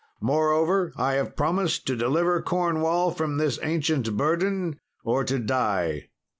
Moreover I have promised to deliver Cornwall from this ancient burden, or to die.